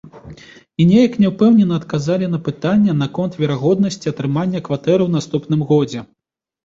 І неяк няўпэўнена адказалі на пытанне наконт верагоднасці атрымання кватэры ў наступным годзе.